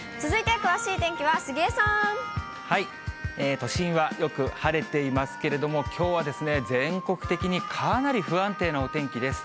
都心はよく晴れていますけれども、きょうはですね、全国的にかなり不安定なお天気です。